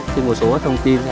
thêm một số thông tin